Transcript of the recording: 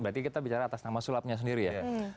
berarti kita bicara atas nama sulapnya sendiri ya